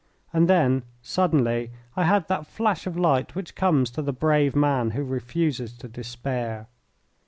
And then suddenly I had that flash of light which comes to the brave man who refuses to despair.